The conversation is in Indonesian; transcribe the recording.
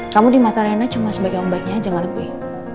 kamu di mata rena cuma sebagai ombaknya aja gak lebih